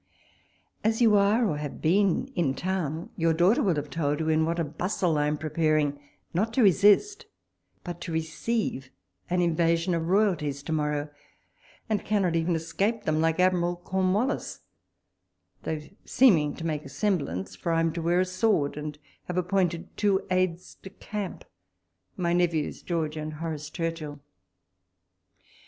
As you are, or have been in town, your daughter will have told you in what a bustle I am, preparing — not to resist, but to receive an invasion of royalties to morrow ; and cannot even escape them like Admiral Corn wullis, though seeming to make a semblance ; for I am to wear a sword, and have appointed two aides de camp, my nephews, George and Horace Churchill.